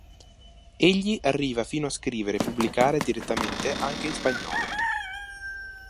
Egli arriva fino a scrivere e pubblicare direttamente anche in spagnolo.